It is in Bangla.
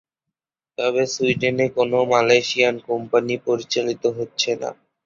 তবে সুইডেনে কোনো মালয়েশিয়ান কোম্পানি পরিচালিত হচ্ছে না।